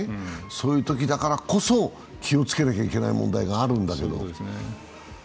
そういうときだからこそ、気をつけなきゃいけない問題があるんだけど。